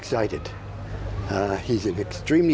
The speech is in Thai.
คิดว่าเกิดอะไรขึ้น